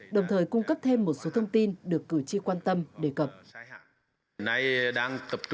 đồng thời cung cấp thêm một số thông tin được cử tri quan tâm đề cập